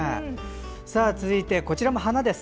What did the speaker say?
続いて、こちらも花です。